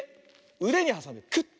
うでにはさんでクッ！